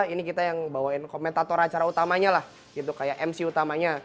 ini kita yang bawain komentator acara utamanya lah gitu kayak mc utamanya